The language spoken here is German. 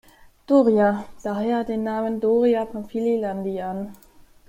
Doria daher den Namen Doria–Pamphilj–Landi an.